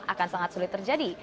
akan sangat sulit terjadi